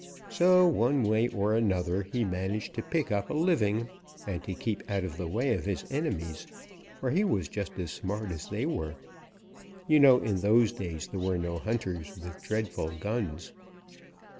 So one way or another he managed to pick up a living and to keep out of the way of his enemies, for he was just as smart as they were. You know, in those days there were no hunters with dreadful guns.